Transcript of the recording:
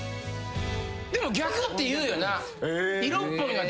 でも逆って言うよな。